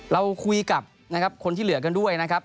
เราคุยกับนะครับคนที่เหลือกันด้วยนะครับ